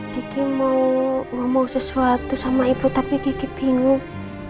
kiki mau ngomong sesuatu sama ibu tapi kiki bingung